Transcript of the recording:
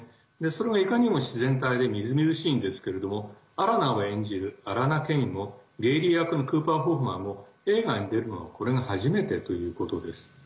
それが、いかにも自然体でみずみずしいんですけれどもアラナを演じるアラナ・ケインもゲイリー役のクーパー・ホフマンも映画に出るのはこれが初めてということです。